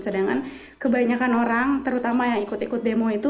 sedangkan kebanyakan orang terutama yang ikut ikut demo itu